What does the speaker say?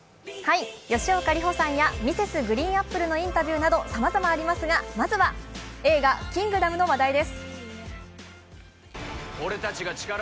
吉岡里帆さんやＭｒｓ．ＧＲＥＥＮＡＰＰＬＥのインタビューなどさまざまありますが、まずは映画「キングダム」の話題です。